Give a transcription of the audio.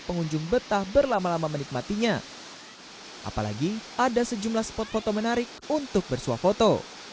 pengunjung betah berlama lama menikmatinya apalagi ada sejumlah spot foto menarik untuk bersuah foto